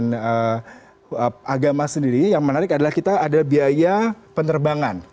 kementerian agama sendiri yang menarik adalah kita ada biaya penerbangan